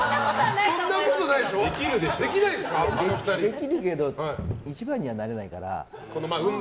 できるけど一番にはなれないから。